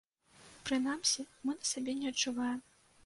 Прынамсі, мы на сабе не адчуваем.